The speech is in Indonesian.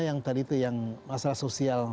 yang tadi itu yang masalah sosial